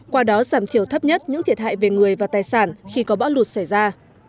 qua đó giảm thiểu thấp nhất những thiệt hại về người và tài sản khi có bão lụt xảy ra